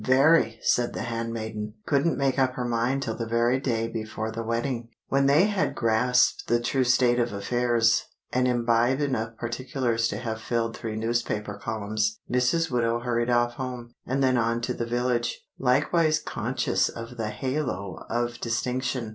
"Very!" said the handmaiden. "Couldn't make up her mind till the very day before the wedding." When they had grasped the true state of affairs, and imbibed enough particulars to have filled three newspaper columns, Mrs. Widow hurried off home, and then on to the village, likewise conscious of the halo of distinction.